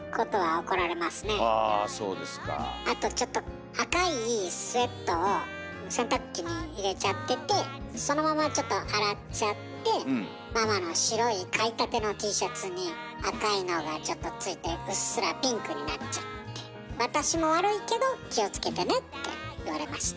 あとちょっと赤いスウェットを洗濯機に入れちゃっててそのままちょっと洗っちゃってママの白い買いたてのＴシャツに赤いのがちょっとついてうっすらピンクになっちゃって。って言われました。